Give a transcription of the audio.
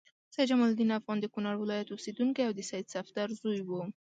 سید جمال الدین افغان د کونړ ولایت اوسیدونکی او د سید صفدر زوی و.